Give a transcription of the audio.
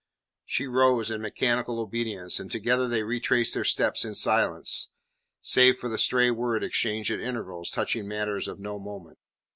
She rose in mechanical obedience, and together they retraced their steps in silence, save for the stray word exchanged at intervals touching matters of no moment.